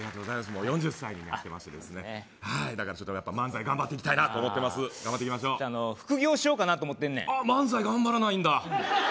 もう４０歳になってましてですね漫才頑張っていきたいなと思ってます頑張っていきましょう副業しようかなと思ってんねんあっ漫才頑張らないんだ